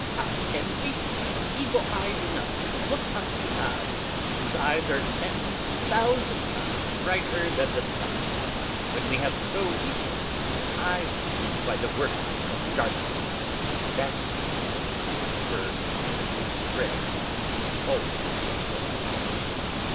How can we hope to be Eagle ey'd enough to look up to God, whose eyes are ten thousand times brighter then the Sun, when we have so weakned our eyes by the Works of Darkness, that (like Night birds) we dread to behold the Light?